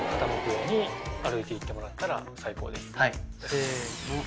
せの。